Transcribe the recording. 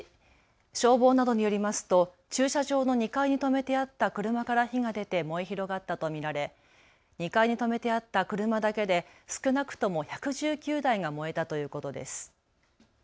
消防などによりますと駐車場の２階に止めてあった車から火が出て燃え広がったと見られ２階に止めてあった車だけで少なくとも１１９台が燃えたということです。